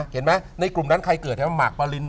เห็นไหมในกลุ่มนั้นใครเกิดหมากปาริน